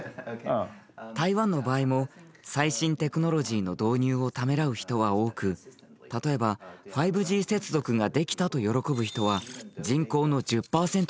台湾の場合も最新テクノロジーの導入をためらう人は多く例えば５Ｇ接続ができたと喜ぶ人は人口の１０％しかいません。